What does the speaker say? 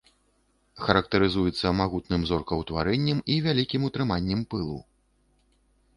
Характарызуецца магутным зоркаўтварэннем і вялікім утрыманнем пылу.